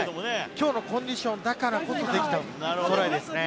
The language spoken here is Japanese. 今日のコンディションだからこそできたトライですね。